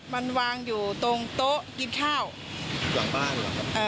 มันวางอยู่ตรงโต๊ะกินข้าวหลังบ้านเหรอครับ